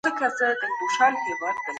ګاونډیان به د بشري حقونو قانون پلی کړي.